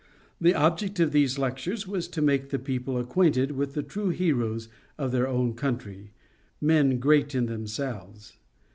The object of these lectures was to make the people acquainted with the true heroes of their own country—men great in themselves.